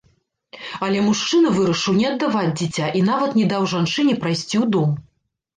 Але мужчына вырашыў не аддаваць дзіця і нават не даў жанчыне прайсці ў дом.